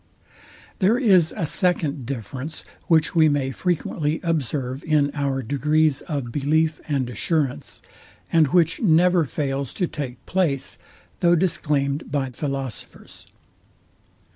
There is a second difference, which we may frequently observe in our degrees of belief and assurance, and which never fails to take place, though disclaimed by philosophers.